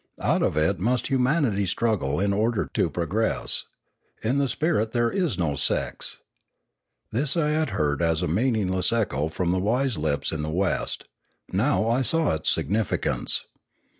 Out of it must humanity struggle in order to progress. " In the spirit there is no sex." This I had heard as a meaningless echo from wise lips in the West. Now I saw its significance.